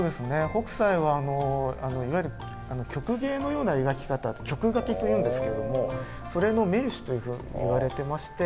北斎はいわゆる曲芸のような描き方曲がきというんですけれどもそれの名手というふうにいわれてまして。